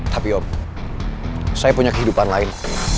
tapi om saya punya kehidupan lain